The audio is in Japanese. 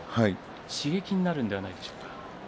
刺激になるんじゃないでしょうか。